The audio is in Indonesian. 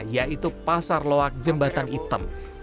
yaitu pasar loak jembatan item